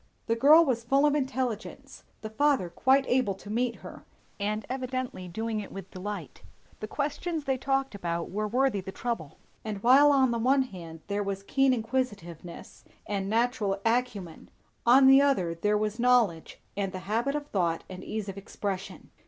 The girl was full of intelligence, the father quite able to meet her, and evidently doing it with delight; the questions they talked about were worthy the trouble; and while on the one hand there was keen inquisitiveness and natural acumen, on the other there was knowledge and the habit of thought and ease of expression.